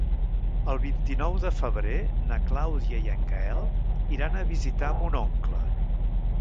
El vint-i-nou de febrer na Clàudia i en Gaël iran a visitar mon oncle.